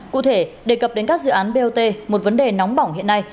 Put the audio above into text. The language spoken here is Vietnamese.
cụ thể đề cập đến các dự án bot một vấn đề nóng bỏng hiện nay